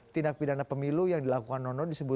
tindak pidana pemilu yang dilakukan oleh jokowi maruf